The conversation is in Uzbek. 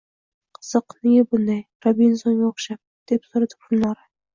— Qiziq… Nega bunday… Robinzonga oʼxshab? — deb soʼradi Gulnora.